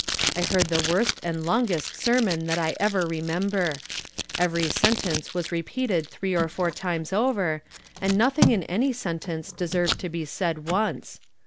I heard the worst and longest sermon that I ever remember. Every sentence was repeated three or four times over, and nothing in any sentence deserved to be said once.